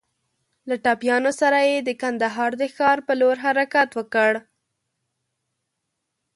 له ټپيانو سره يې د کندهار د ښار په لور حرکت وکړ.